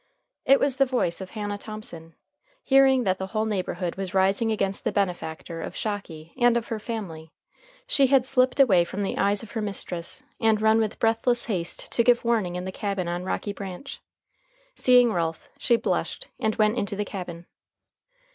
It was the voice of Hannah Thomson. Hearing that the whole neighborhood was rising against the benefactor of Shocky and of her family, she had slipped away from the eyes of her mistress, and run with breathless haste to give warning in the cabin on Rocky Branch. Seeing Ralph, she blushed, and went into the cabin.